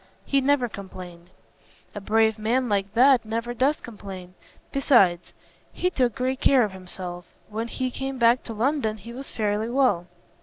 "He never complained." "A brave man like that never does complain. Besides, he took great care of himself. When he came back to London he was fairly well.